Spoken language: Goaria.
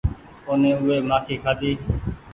او ني او وي مآڪي کآڍي ۔